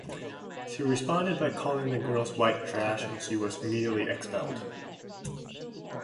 She responded by calling the girls "white trash" and she was immediately expelled.